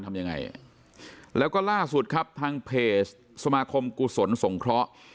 ทำยังไงแล้วก็ล่าสุดครับทางเพจสมาคมกุศลสงเคราะห์